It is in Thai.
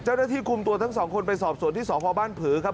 เจ้าหน้าที่คุมตัวทั้งสองคนไปสอบสวนที่สพบ้านผือครับ